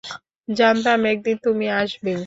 জানতাম একদিন তুমি আসবেই।